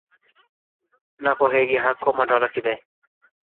نه پوهېږي حق کومه ډله کې دی.